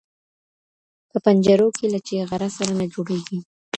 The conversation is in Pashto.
په پنجرو کي له چیغاره سره نه جوړیږي ..